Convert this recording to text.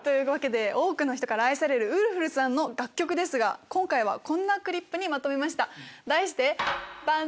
多くの人から愛されるウルフルズさんの楽曲ですが今回こんなＣＬＩＰＳにまとめました題して。